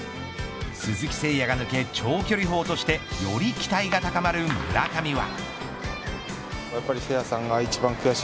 鈴木誠也が抜け長距離砲としてより期待が高まる村上は。